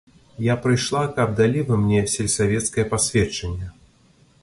Я прыйшла, каб далі вы мне сельсавецкае пасведчанне.